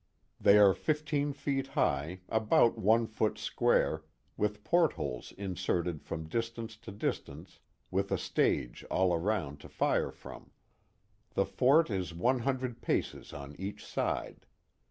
They are fifteen feet high, about one foot square, with port holes inserted from distance to dis tance, with a stage all round to fire from. The fort is one hundred paces on eacli side.